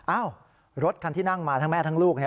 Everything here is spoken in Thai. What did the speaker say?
อ้าวรถคันที่นั่งมาทั้งแม่ทั้งลูก